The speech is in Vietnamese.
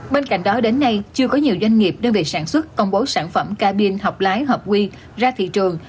bên cạnh đó đến nay chưa có nhiều doanh nghiệp đơn vị sản xuất công bố sản phẩm cabin học lái hợp quy ra thị trường